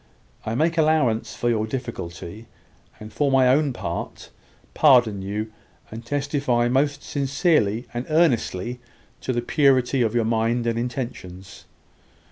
I make allowance for your difficulty, and, for my own part, pardon you, and testify most sincerely and earnestly to the purity of your mind and intentions.